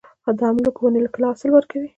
د املوک ونې کله حاصل ورکوي؟